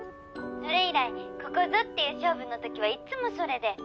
それ以来ここぞっていう勝負のときはいつもそれで。